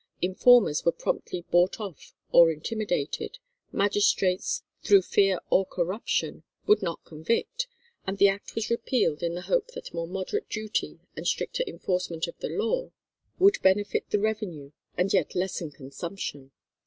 Informers were promptly bought off or intimidated, magistrates "through fear or corruption" would not convict, and the act was repealed in the hope that more moderate duty and stricter enforcement of the law would benefit the revenue and yet lessen consumption.